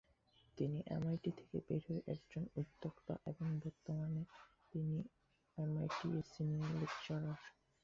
তিনি এমআইটি থেকে বের হওয়া একজন উদ্যোক্তা এবং তিনি বর্তমানে এমআইটি এর একজন সিনিয়র লেকচারার।